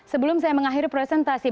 sebelum saya mengakhiri presentasi